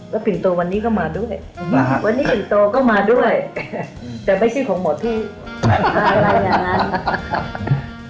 แล้วปิ่นโตวันนี้ก็มาด้วยวันนี้ปิ่นโตก็มาด้วยแต่ไม่ใช่ของหมอที่อะไรอย่างนั้น